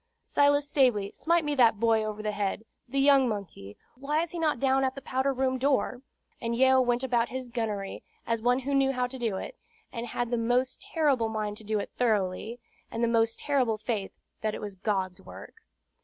Silas Stavely, smite me that boy over the head, the young monkey; why is he not down at the powder room door?" And Yeo went about his gunnery, as one who knew how to do it, and had the most terrible mind to do it thoroughly, and the most terrible faith that it was God's work.